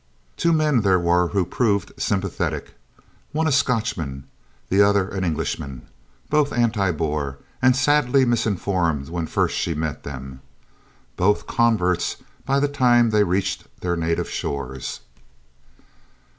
Two men there were who proved sympathetic, one a Scotchman, the other an Englishman both anti Boer and sadly misinformed when first she met them, both "converts" by the time they reached their native shores.